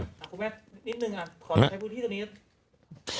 ครับแม่นิดนึงอ่ะขอใช้พูดที่ตอนนี้